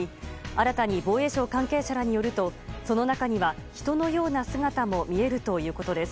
新たに防衛省関係者らによるとその中には人のような姿も見えるということです。